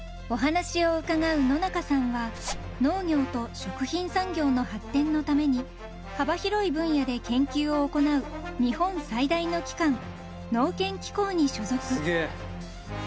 ［お話を伺う野中さんは農業と食品産業の発展のために幅広い分野で研究を行う日本最大の機関農研機構に所属］